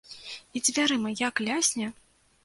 І дзвярыма як лясне!